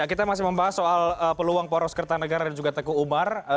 kita masih membahas soal peluang poros kertanegara dan juga teguh umar